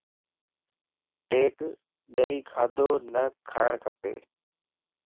ٽيڪ ڏيئ کاڌو نھ کاڻ کپا